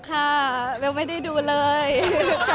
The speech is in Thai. มันเป็นปัญหาจัดการอะไรครับ